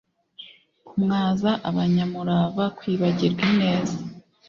kumwaza abanyamurava, kwibagirwa ineza